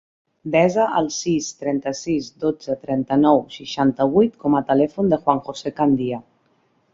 Desa el sis, trenta-sis, dotze, trenta-nou, setanta-vuit com a telèfon del Juan josé Candia.